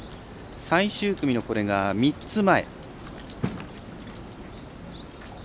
最終組の３つ前。